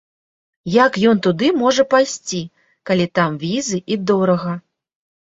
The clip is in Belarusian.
Як ён туды можа пайсці, калі там візы і дорага?